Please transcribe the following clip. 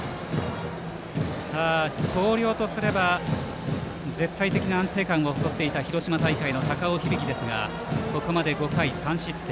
広陵とすれば絶対的な安定感を誇っていた広島大会の高尾響ですがここまで５回３失点。